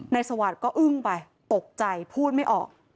ในสวาสก็อึ้งไปตกใจพูดไม่ออก